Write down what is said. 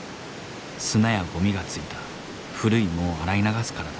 砂やゴミがついた古い藻を洗い流すからだ。